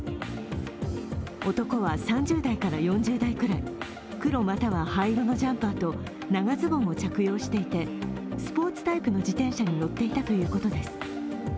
男は３０代から４０代くらい黒または灰色のジャンパーと長ズボンを着用していてスポーツタイプの自転車に乗っていたということです。